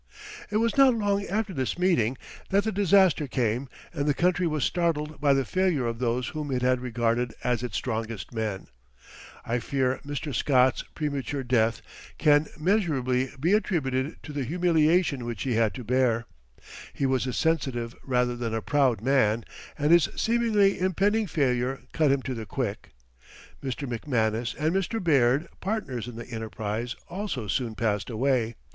It was not long after this meeting that the disaster came and the country was startled by the failure of those whom it had regarded as its strongest men. I fear Mr. Scott's premature death can measurably be attributed to the humiliation which he had to bear. He was a sensitive rather than a proud man, and his seemingly impending failure cut him to the quick. Mr. McManus and Mr. Baird, partners in the enterprise, also soon passed away.